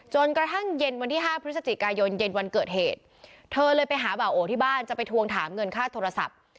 จนกระทั่งเย็นวันที่๕พฤศจิกายนเย็นวันเกิดเหตุเธอเลยไปหาบ่าโอที่บ้านจะไปทวงถามเงินค่าโทรศัพท์